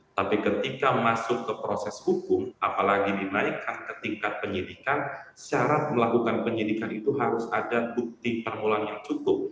tapi ketika masuk ke proses hukum apalagi dinaikkan ke tingkat penyidikan syarat melakukan penyidikan itu harus ada bukti permulaan yang cukup